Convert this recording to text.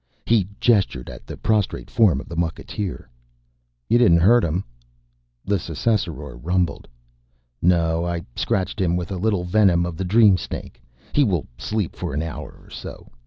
He gestured at the prostrate form of the mucketeer. "You didn't hurt him?" The Ssassaror rumbled, "No. I scratched him with a little venom of the dream snake. He will sleep for an hour or so.